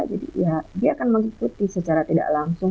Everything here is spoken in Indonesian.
jadi dia akan mengikuti secara tidak langsung